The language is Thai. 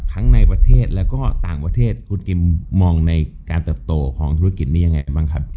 ทั้งในประเทศแล้วก็ต่างประเทศคุณกิมมองในการเติบโตของธุรกิจนี้ยังไงบ้างครับ